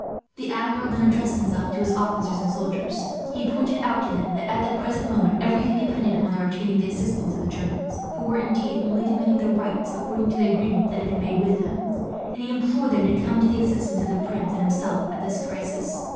The Admiral then addressed himself to his officers and soldiers. He pointed out to them that, at the present moment, everything depended upon their obtaining the assistance of the Germans who were, indeed, only demanding their rights, according to the agreement that had been made with them and he implored them to come to the assistance of the prince and himself at this crisis.